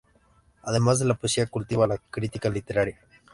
Además de la poesía cultiva la crítica literaria.